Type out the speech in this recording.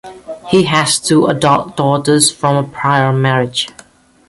He has two adult daughters from a prior marriage.